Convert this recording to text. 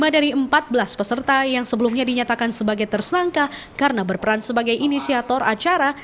lima dari empat belas peserta yang sebelumnya dinyatakan sebagai tersangka karena berperan sebagai inisiator acara